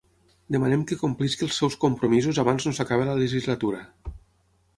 Demanem que complesca els seus compromisos abans no s’acabe la legislatura.